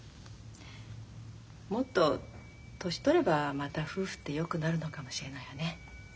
もっと年取ればまた夫婦ってよくなるのかもしれないわね。